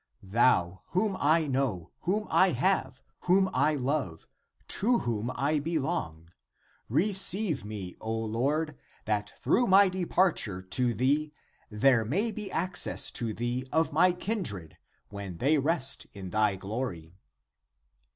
Thou, whom I know, whom I have, whom I love, to whom I belong, re ceive me, O Lord, that through my departure to thee there may be access to thee of many kindred, (P 33) when they rest in thy glory!"